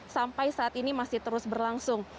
sampai saat ini masih terus berlangsung